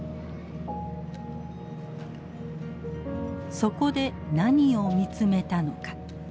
そこで何を見つめたのか。